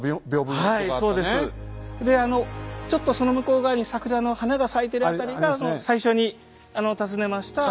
あのちょっとその向こう側に桜の花が咲いてる辺りが最初に訪ねました。